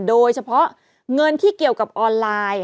โดยเฉพาะเงินที่เกี่ยวกับออนไลน์